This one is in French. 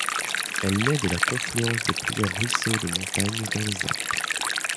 Elle naît de la confluence de plusieurs ruisseaux de montagnes dans les Alpes.